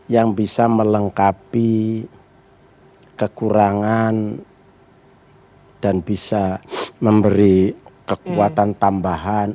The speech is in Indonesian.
yang bisa melengkapi kekurangan dan bisa memberi kekuatan tambahan